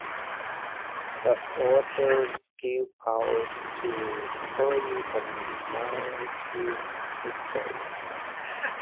The Order gives power to carry the line to Tickhill.